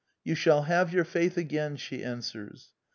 " You shall have your faith again," she answers.